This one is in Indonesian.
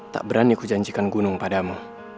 tak berani kujanjikan gunung padamu